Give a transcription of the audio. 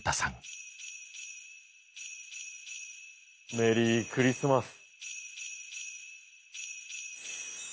メリークリスマス。